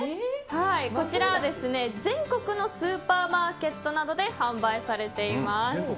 こちら、全国のスーパーマーケットなどで販売されています。